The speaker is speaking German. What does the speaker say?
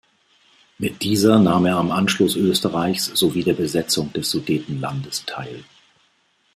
Mit dieser nahm er am Anschluss Österreichs sowie der Besetzung des Sudetenlandes teil.